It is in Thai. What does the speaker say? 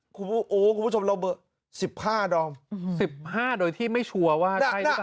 โอ้โหคุณผู้ชมเราเบิดสิบห้าดอมสิบห้าโดยที่ไม่ชัวร์ว่าใช่หรือเปล่า